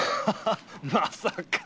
まさか。